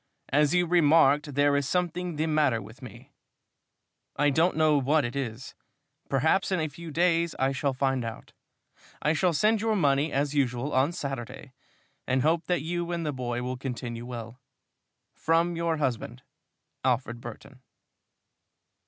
As you remarked, there is something the matter with me. I don't know what it is. Perhaps in a few days I shall find out. I shall send your money as usual on Saturday, and hope that you and the boy will continue well. From your husband, ALFRED BURTON.